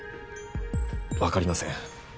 わかりません。